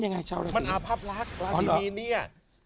มันอาภับรักษ์ราธิมีนเนี่ย